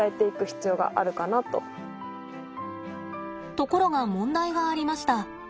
ところが問題がありました。